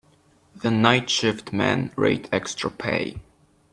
The night shift men rate extra pay.